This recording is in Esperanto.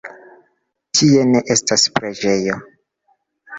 Tie ne estas preĝejo.